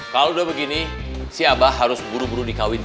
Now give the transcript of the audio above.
kalau udah begini si abah harus buru buru di kawin